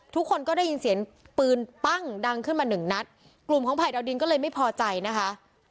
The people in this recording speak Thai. ทุกคนก็ได้ยินเสียงปืนปั้งดังขึ้นมาหนึ่งนัดกลุ่มของภัยดาวดินก็เลยไม่พอใจนะคะ